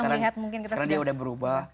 dan sekarang dia udah berubah